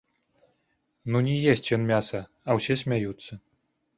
Ну не есць ён мяса, а ўсе смяюцца.